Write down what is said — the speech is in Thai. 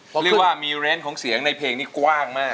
เรียกรู้ว่ามีเลนส์เสียงในเพลงนี้กว้างมาก